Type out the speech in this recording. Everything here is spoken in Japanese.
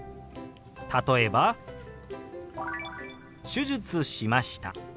例えば「手術しました」。